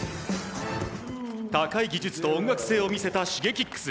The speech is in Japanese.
高い技術と音楽性を見せたＳｈｉｇｅｋｉｘ。